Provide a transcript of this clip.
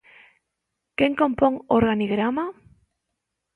¿Quen compón o organigrama?